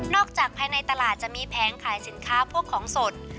จากภายในตลาดจะมีแผงขายสินค้าพวกของสด